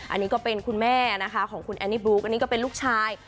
อันนี้ก็เป็นคุณแม่นะคะของคุณแอนนี่บลูกอันนี้ก็เป็นลูกชาย